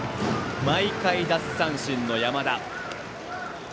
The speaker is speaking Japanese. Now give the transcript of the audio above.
毎回、奪三振の山田。